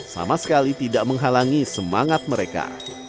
sama sekali tidak menghalangi semangat mereka